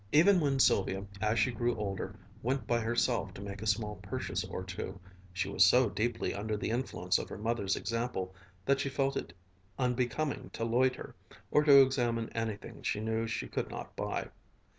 Even when Sylvia, as she grew older, went by herself to make a small purchase or two, she was so deeply under the influence of her mother's example that she felt it unbecoming to loiter, or to examine anything she knew she could not buy.